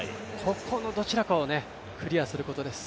このどちらかをクリアすることです。